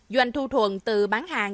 doanh thu thuận từ bán hàng